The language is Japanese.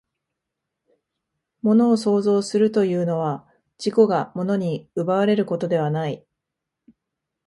物を創造するというのは、自己が物に奪われることではない。